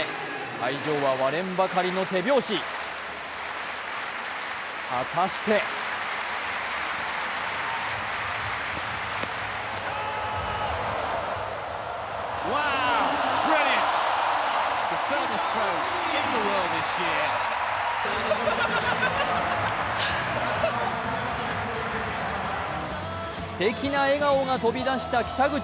会場は割れんばかりの手拍子、果たしてすてきな笑顔が飛び出した北口。